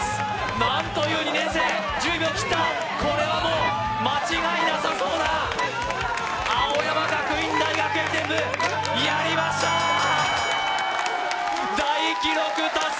何という２年生１０秒切ったこれはもう間違いなさそうだ青山学院大学駅伝部やりました大記録達成！